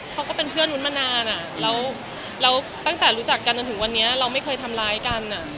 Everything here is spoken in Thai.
ก็เป็นเพื่อนวุ้นมานานแล้วตั้งแต่รู้จักกันจนถึงวันนี้เราไม่เคยทำร้ายกัน